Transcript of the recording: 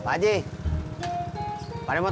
kebanyakan mereka gelah dah esok